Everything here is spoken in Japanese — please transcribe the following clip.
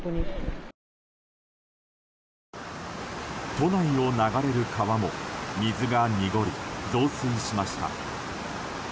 都内を流れる川も水が濁り増水しました。